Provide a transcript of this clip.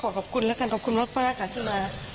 ขอขอบคุณแล้วกันขอบคุณมากครับ